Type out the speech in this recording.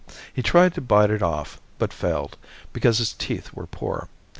He tried to bite it off but failed because his teeth were poor.